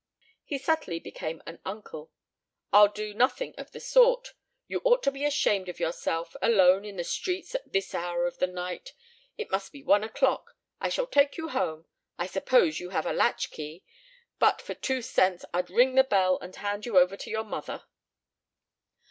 He subtly became an uncle. "I'll do nothing of the sort. You ought to be ashamed of yourself alone in the streets at this hour of the night. It must be one o'clock. I shall take you home. I suppose you have a latch key, but for two cents I'd ring the bell and hand you over to your mother."